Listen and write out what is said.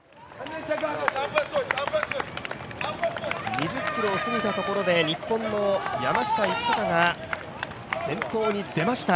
２０ｋｍを過ぎたところで日本の山下一貴が先頭に出ました。